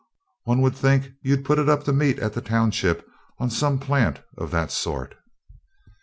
One would think you'd put it up to meet at the township on some plant of that sort.'